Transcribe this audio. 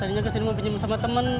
tadinya kesini mau pinjam sama teman